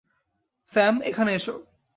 Sam, এখানে এসো।